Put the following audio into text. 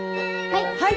はい！